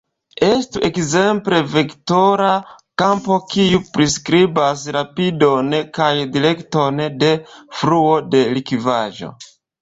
Estu ekzemple vektora kampo kiu priskribas rapidon kaj direkton de fluo de likvaĵo.